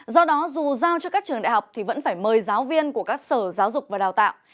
do đó dù giao cho các trường đại học thì vẫn phải mời giáo viên của các sở giáo dục và đào tạo